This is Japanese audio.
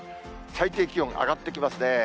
最低気温、上がってきますね。